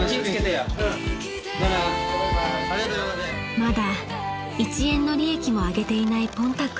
［まだ１円の利益も上げていないポンタ君］